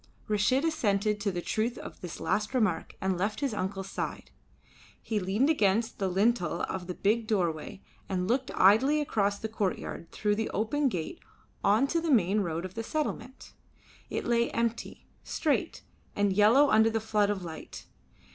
Reshid assented to the truth of this last remark and left his uncle's side. He leaned against the lintel of the big doorway and looked idly across the courtyard through the open gate on to the main road of the settlement. It lay empty, straight, and yellow under the flood of light.